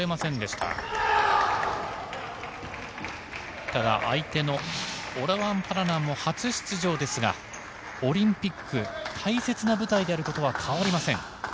ただ相手のオラワン・パラナンも初出場ですが、オリンピック大切な舞台であることは変わりません。